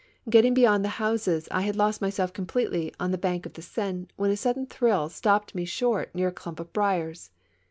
Getting beyond the houses, 1 had lost myself completely on the bank of the Seine when a sudden thrill stopped me short near a clump of briars.